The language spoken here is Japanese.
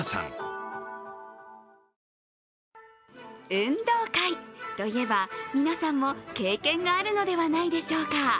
運動会といえば、皆さんも経験があるのではないでしょうか？